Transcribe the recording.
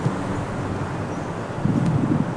وروڼه بیا د وزن کمولو کې ستونزه لري.